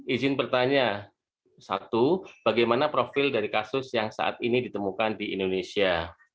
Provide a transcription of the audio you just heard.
izin bertanya satu bagaimana profil dari kasus yang saat ini ditemukan di indonesia